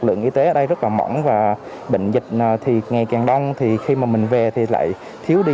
lượng y tế ở đây rất là mỏng và bệnh dịch thì ngày càng đông thì khi mà mình về thì lại thiếu đi